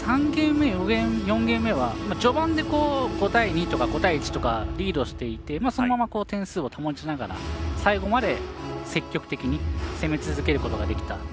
特に３ゲーム目、４ゲーム目は序盤で５対２とか５対１とかリードしていてそのまま点数を保ちながら最後まで積極的に攻め続けることができた。